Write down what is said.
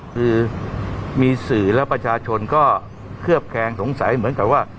คือมีสื่อและประชาชนก็เคลือบแคลงสงสัยเหมือนกับว่า